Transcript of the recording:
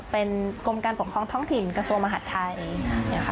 เป็นกรมการปลดคล้องท้องถิ่นกษัตริย์มหัฐของไทย